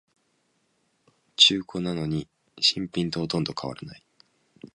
中古なのに新品とほとんど変わらない